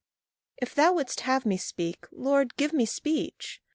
If thou wouldst have me speak, Lord, give me speech.